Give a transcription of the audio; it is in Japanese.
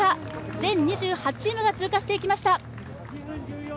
全２８チームが通過していきました。